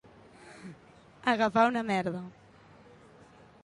Agafar una merda.